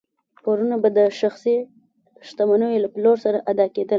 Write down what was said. پورونه به د شخصي شتمنیو له پلور سره ادا کېدل.